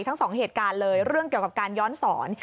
ทั้งสองเหตุการณ์เลยเรื่องเกี่ยวกับการย้อนสอน